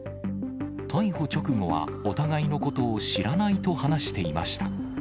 逮捕直後は、お互いのことを知らないと話していました。